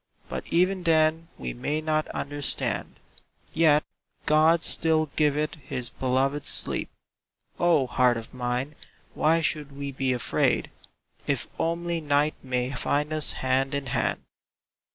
But even then we may not under stand ; Yet God still giveth His beloved sleep — Oh, Heart of Mine, why should we be afraid If only night may find us hand in hand!